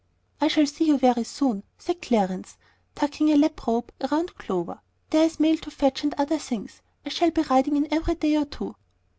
"I shall see you very soon," said Clarence, tucking the lap robe round Clover. "There's the mail to fetch, and other things. I shall be riding in every day or two."